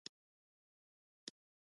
مرګ یې د نجات یوازینۍ لاره بولي.